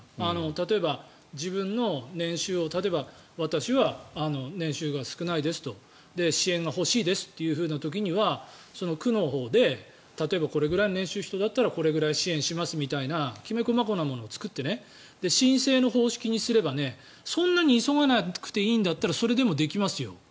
例えば自分の年収を私は年収が少ないですと支援が欲しいですという時には区のほうでこれぐらいの年収の人だったらこれぐらい支援しますみたいなきめ細かなものを作って申請の方式にすればそんなに急がなくていいんだったらそれでもできますよ。